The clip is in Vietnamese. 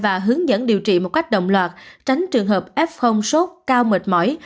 và hướng dẫn điều trị một cách đồng loạt tránh trường hợp f sốt cao mệt mỏi